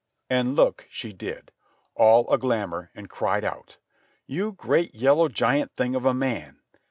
And look she did, all a glamour, and cried out: "You great, yellow giant thing of a man!"